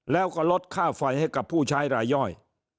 แล้วก็ลดค่าไฟให้กับผู้ใช้รายย่อย